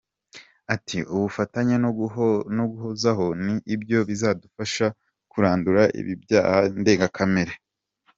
Ati "Ubufatanye no guhozaho ni byo bizadufasha kurandura ibi byaha ndengakamere".